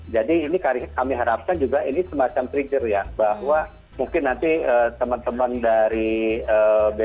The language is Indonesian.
jadi ini kami harapkan juga ini semacam trigger ya bahwa mungkin nanti teman teman dari bpjpj